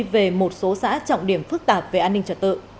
về một số xã trọng điểm phức tạp về an ninh trật tự